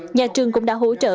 nhà trường cũng đã hỗ trợ